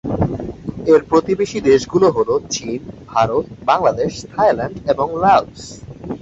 এর প্রতিবেশী দেশগুলো হলো চীন, ভারত, বাংলাদেশ, থাইল্যান্ড এবং লাওস।